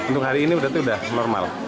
untuk hari ini berarti sudah normal